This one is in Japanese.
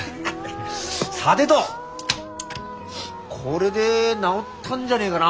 さてとこれで直ったんじゃねえがな？